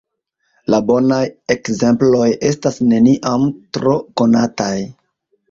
La bonaj ekzemploj estas neniam tro konataj!